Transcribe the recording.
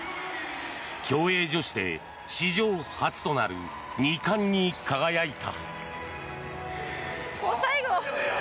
競泳女子で史上初となる２冠に輝いた。